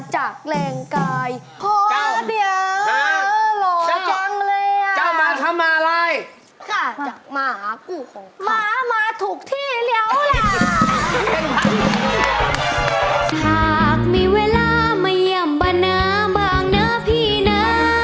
หากมีเวลาไม่ย่ำบันน้ำบ้างนะพี่นะ